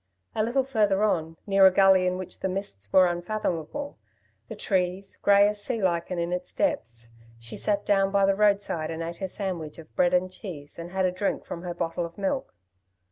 A little further on, near a gully in which the mists were unfathomable, the trees, grey as sea lichen in its depths, she sat down by the roadside and ate her sandwich of bread and cheese and had a drink from her bottle of milk.